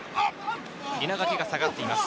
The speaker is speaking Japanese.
稲垣が下がっています。